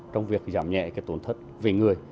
trong việc giảm nhẹ tổn thất về người